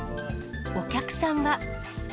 お客さんは。